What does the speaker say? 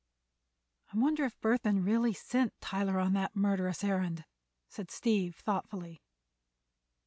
"I wonder if Burthon really sent Tyler on that murderous errand," said Steve, thoughtfully.